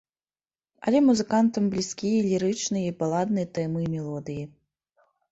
Але музыкантам блізкія лірычныя і баладныя тэмы і мелодыі.